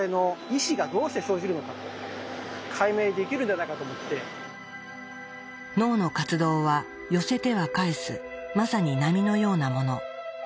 こうやって脳の活動は寄せては返すまさに波のようなもの。